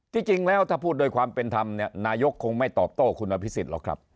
ที่จริงแล้วถ้าพูดด้วยความเป็นทำนายกคงไม่ตอบโตคุณพิสิทธิ์หรอกครับ